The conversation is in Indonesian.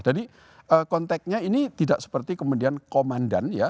jadi konteksnya ini tidak seperti kemudian komandan ya